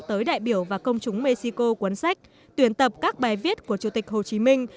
tới đại biểu và công chúng mexico cuốn sách tuyển tập các bài viết của chủ tịch hồ chí minh